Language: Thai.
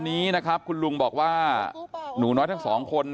พี่สาวอายุ๗ขวบก็ดูแลน้องดีเหลือเกิน